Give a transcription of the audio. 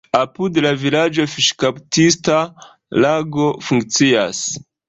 Apud la vilaĝo fiŝkaptista lago funkcias.